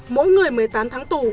mỗi người một mươi tám tháng tù